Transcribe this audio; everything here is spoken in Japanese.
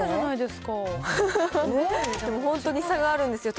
でも本当に差があるんですよ。